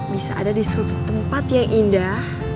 bisa ada di suatu tempat yang indah